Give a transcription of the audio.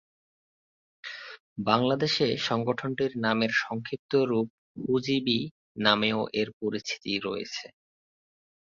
বাংলাদেশে সংগঠনটির নামের সংক্ষিপ্ত রূপ হুজি-বি নামেও এর পরিচিতি রয়েছে।